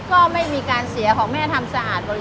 ก็ไม่มีการเสียของแม่ทำสะอาดบริ